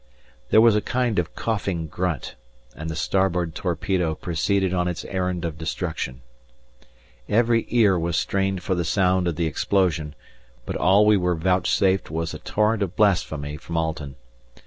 There was a kind of coughing grunt, and the starboard torpedo proceeded on its errand of destruction. Every ear was strained for the sound of the explosion, but all we were vouchsafed was a torrent of blasphemy from Alten.